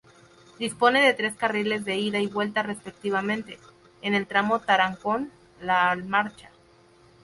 Dispone de tres carriles de ida y vuelta respectivamente, en el tramo Tarancón-La Almarcha.